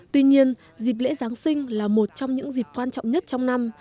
tuy nhiên dịp lễ giáng sinh là một trong những dịp quan trọng nhất trong năm